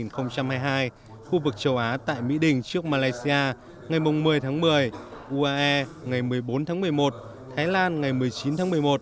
khu vực châu á tại mỹ đình trước malaysia ngày một mươi tháng một mươi uae ngày một mươi bốn tháng một mươi một thái lan ngày một mươi chín tháng một mươi một